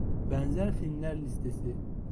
Benzer filmler listesi.